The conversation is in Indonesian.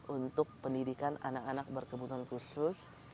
untuk pendidikan anak anak berkebutuhan khusus